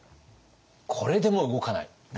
これでも動かない。